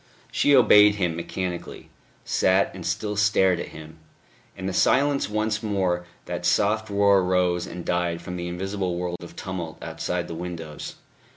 She obeyed him mechanically sat, and still stared at him. In the silence once more that soft roar rose and died from the invisible world of tumult outside the windows.